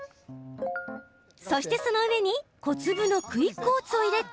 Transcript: そしてその上に小粒のクイックオーツを入れた。